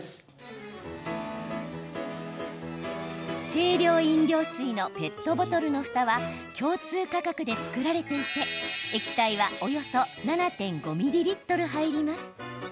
清涼飲料水のペットボトルのふたは共通規格で作られていて液体は、およそ７．５ミリリットル入ります。